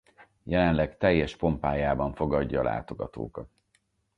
Jelenleg teljes pompájában fogadja a látogatókat.